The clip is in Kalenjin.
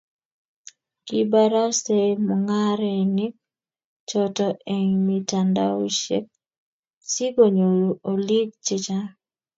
kibarastei mung'arenik choto eng' mitandaosiek , sikunyoru oliik che chang'